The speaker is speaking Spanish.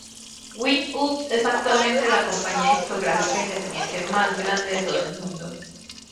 Wind-up es actualmente la compañía discográfica independiente más grande de todo el mundo.